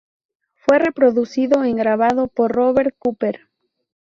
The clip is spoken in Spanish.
Fue reproducido en grabado por Robert Cooper.